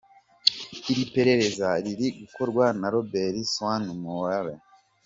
Iri perereza riri gukorwa na Robert Swan Mueller.